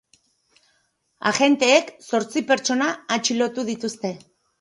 Agenteek zortzi pertsona atxilotu dituzte.